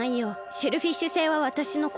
シェルフィッシュ星はわたしのこ